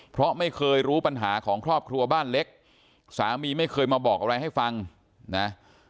เพราะไม่เคยรู้ปัญหาของครอบครัวบ้านเล็กสามีไม่เคยมาบอกอะไรให้ฟังนะ